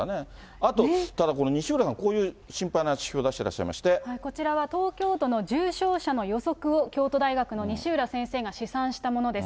あと、ただこの西浦さん、こういう心配な指標を出してらっしゃいこちらは東京都の重症者の予測を、京都大学の西浦先生が試算したものです。